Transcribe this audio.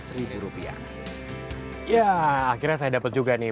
yah akhirnya saya dapat juga nih bakso cuangki yang tadi agak sedikit mengantri